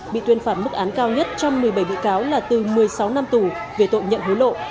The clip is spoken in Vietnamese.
bị tuyên phạt mức án cao nhất trong một mươi bảy bị cáo là từ một mươi sáu năm tù về tội nhận hối lộ